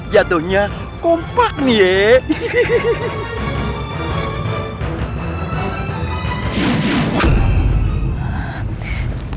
jadwalnya kompak nih